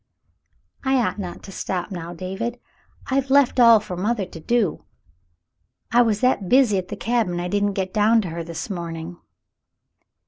"I ought not to stop now, David. I've left all for mother to do. I was that busy at the cabin I didn't get down to her this morning."